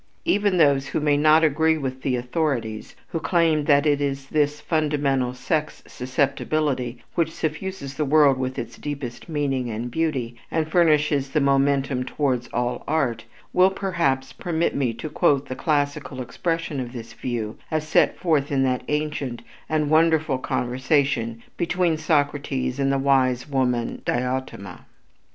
Even those who may not agree with the authorities who claim that it is this fundamental sex susceptibility which suffuses the world with its deepest meaning and beauty, and furnishes the momentum towards all art, will perhaps permit me to quote the classical expression of this view as set forth in that ancient and wonderful conversation between Socrates and the wise woman Diotima.